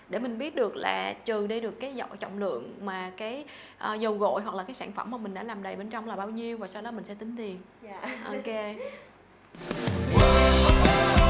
để mình biết được là trừ đây được cái dọ trọng lượng mà cái dầu gội hoặc là cái sản phẩm mà mình đã làm đầy bên trong là bao nhiêu và sau đó mình sẽ tính tiền